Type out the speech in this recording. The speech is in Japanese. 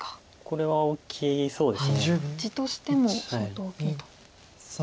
これは大きいです。